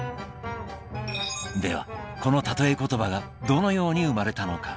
ではこのたとえコトバがどのように生まれたのか。